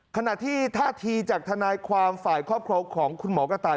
ขณะที่ท่าทีจากทนายความฝ่ายครอบครัวของคุณหมอกระต่าย